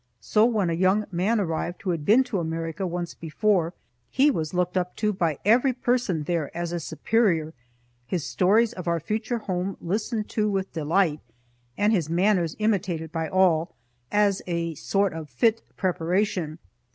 So when a young man arrived who had been to America once before, he was looked up to by every person there as a superior, his stories of our future home listened to with delight, and his manners imitated by all, as a sort of fit preparation.